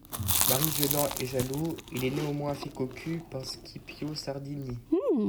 Mari violent et jaloux, il est néanmoins fait cocu par Scipion Sardini.